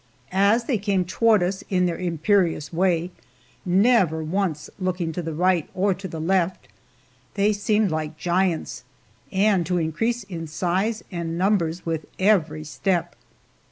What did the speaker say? As they came toward us in their imperious way, never once looking to the right or to the left, they seemed like giants, and to increase in size and numbers with every step.